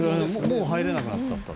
「もう入れなくなっちゃった」